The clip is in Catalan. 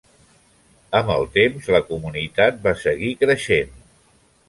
Amb el temps, la comunitat va seguir creixent.